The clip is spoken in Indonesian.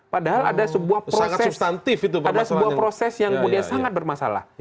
padahal ada sebuah proses yang kemudian sangat bermasalah